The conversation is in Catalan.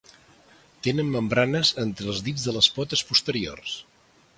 Tenen membranes entre els dits de les potes posteriors.